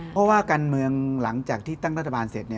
เพราะว่าการเมืองหลังจากที่ตั้งรัฐบาลเสร็จ